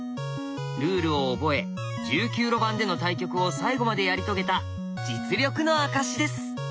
ルールを覚え１９路盤での対局を最後までやり遂げた実力の証しです。